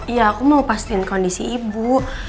ya aku mau pastiin kondisi ibu